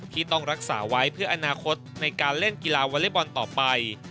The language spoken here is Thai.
ที่ต้องรักษาไว้เพื่ออนาคตในการเล่นกีฬาวอเล็กบอลต่อไป